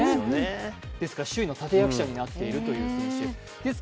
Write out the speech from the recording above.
ですから首位の立て役者になっているという選手。